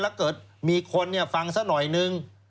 แล้วเกิดมีคนฟังซะหน่อยนึง